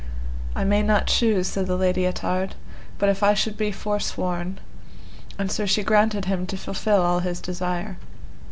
I may not choose, said the Lady Ettard, but if I should be forsworn; and so she granted him to fulfil all his desire.